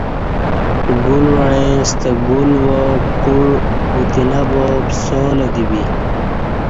گال وعیں ستہ گال وا کوع اوتینہ با پسالہ دی بی